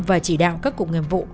và chỉ đạo các cuộc nghiệp vụ